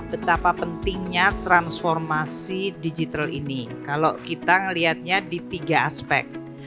betapa pentingnya transformasi digital ini kalau kita melihatnya di tiga aspek